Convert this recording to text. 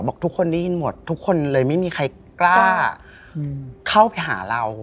ทุกคนได้ยินหมดทุกคนเลยไม่มีใครกล้าเข้าไปหาเรา